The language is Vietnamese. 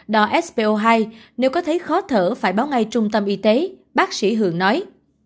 đo spo hai nếu có thấy khó thở phải báo ngay trung tâm y tế bác sĩ hường nói